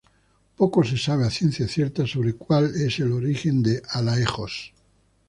Poco se sabe a ciencia cierta sobre cuál es el origen de Alaejos.